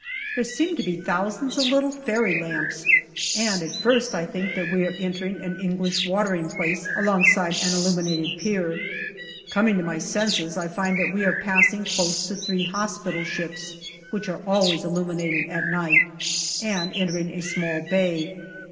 There seem to be thousands of little fairy lamps, and at first I think that we are entering an English watering place alongside an illuminated pier, Coming to my senses, I find that we are passing close to three hospital ships, which are always illuminated at night, and entering a small bay.